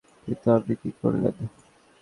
কিন্তু আপনি কী করলেন!